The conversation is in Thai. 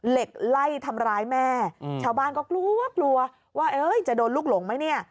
เหล็กไล่ทำร้ายแม่ชาวบ้านก็กลัวกลัวว่าจะโดนลูกหลงไหมเนี่ย